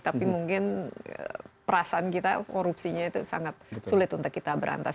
tapi mungkin perasaan kita korupsinya itu sangat sulit untuk kita berantas